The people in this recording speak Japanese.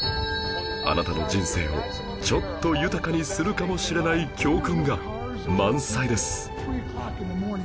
あなたの人生をちょっと豊かにするかもしれない教訓が満載です